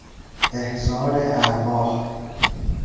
احضار ارواح